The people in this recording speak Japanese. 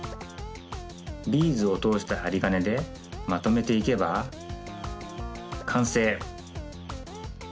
ビーズをとおしたはりがねでまとめていけばかんせい！